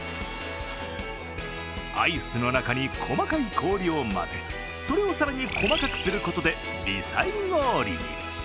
アイスの中に細かい氷を混ぜ、それを更に細かくすることで微細氷に。